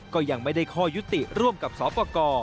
ก็ยังไม่ได้ข้อยุติร่วมกับสปกร